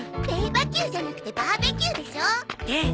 「ベーバキュー」じゃなくて「バーベキュー」でしょ？って